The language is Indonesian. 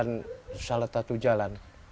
menuntutkan salah satu jalan